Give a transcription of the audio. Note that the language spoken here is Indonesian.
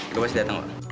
gue pasti datang mbak